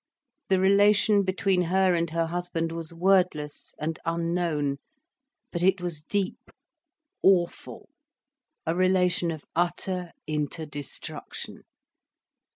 The relation between her and her husband was wordless and unknown, but it was deep, awful, a relation of utter inter destruction.